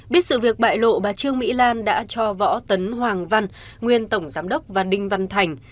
biết sự việc bại lộ bà trương mỹ lan đã cho võ tấn hoàng văn nguyên tổng giám đốc và đinh văn thành